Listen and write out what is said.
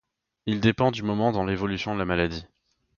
Il dépend du moment dans l’évolution de la maladie.